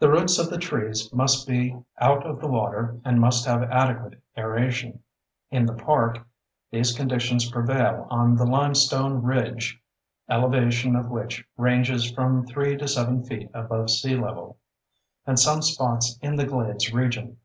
The roots of the trees must be out of the water and must have adequate aeration. In the park, these conditions prevail on the limestone "ridge" (elevation of which ranges from 3 to 7 feet above sea level) and some spots in the glades region.